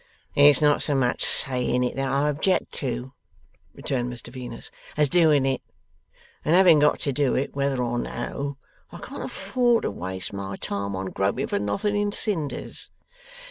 'It's not so much saying it that I object to,' returned Mr Venus, 'as doing it. And having got to do it whether or no, I can't afford to waste my time on groping for nothing in cinders.